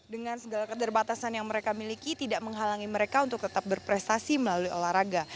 dengan segala keterbatasan yang mereka miliki tidak menghalangi mereka untuk tetap berprestasi melalui olahraga